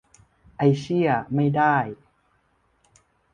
ไอ้เชี่ย ไม่ได้ !